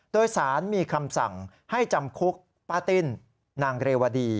โดยสารมีคำสั่งให้จำคุกป้าติ้นนางเรวดี